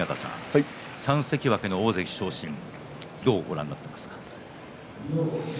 ３関脇の大関昇進どうご覧になっていますか？